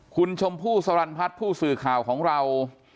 คุณชมพู่สรรพัฒน์ผู้สื่อข่าวของเรา